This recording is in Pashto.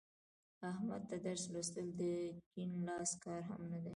احمد ته درس لوستل د کیڼ لاس کار هم نه دی.